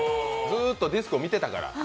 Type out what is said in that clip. ずっとディスクを見ていたから。